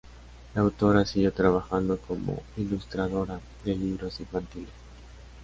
La autora siguió trabajando como ilustradora de libros infantiles.